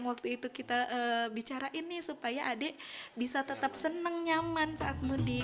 waktu itu kita bicarain nih supaya adik bisa tetap senang nyaman saat mudik